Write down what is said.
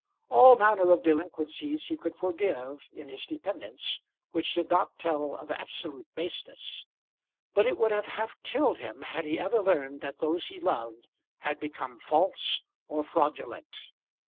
All manner of delinquencies he could forgive in his dependents which did not tell of absolute baseness; but it would have half killed him had he ever learned that those he loved had become false or fraudulent.